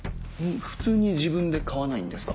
普通に自分で買わないんですか？